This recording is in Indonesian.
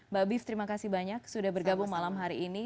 mbak bif terima kasih banyak sudah bergabung malam hari ini